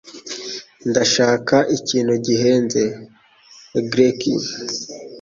Ndashaka ikintu gihenze. (gleki)